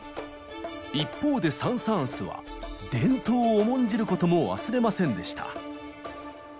一方でサン・サーンスは伝統を重んじることも忘れませんでした。